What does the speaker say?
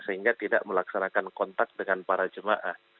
sehingga tidak melaksanakan kontak dengan para jemaah